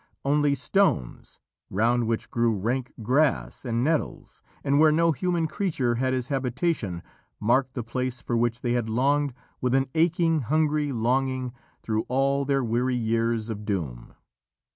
Only stones, round which grew rank grass and nettles, and where no human creature had his habitation, marked the place for which they had longed with an aching, hungry longing, through all their weary years of doom.